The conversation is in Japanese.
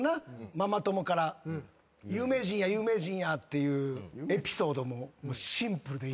ママ友から「有名人や有名人や」っていうエピソードも。